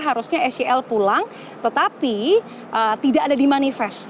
harusnya sel pulang tetapi tidak ada di manifest